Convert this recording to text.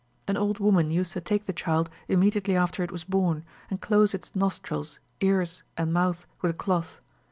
An old woman used to take the child immediately after it was born, and close its nostrils, ears, and mouth with a cloth.